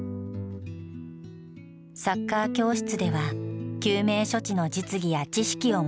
サッカー教室では救命処置の実技や知識を学ぶ講習会を開催。